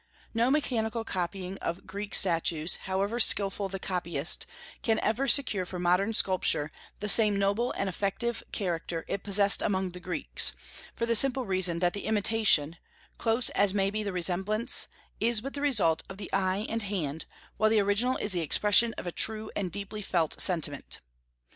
"No mechanical copying of Greek statues, however skilful the copyist, can ever secure for modern sculpture the same noble and effective character it possessed among the Greeks, for the simple reason that the imitation, close as may be the resemblance, is but the result of the eye and hand, while the original is the expression of a true and deeply felt sentiment.